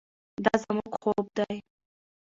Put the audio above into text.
دا زموږ خوب دی.